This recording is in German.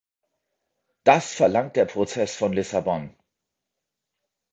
Das verlangt der Prozess von Lissabon!